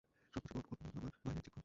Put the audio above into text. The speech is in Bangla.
সবকিছু তোমার কল্পনা, আবার বাইরে চেক করো।